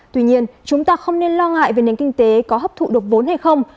tuy nhiên chúng ta không nên lo ngại về nền kinh tế có hấp thụ được vốn hay không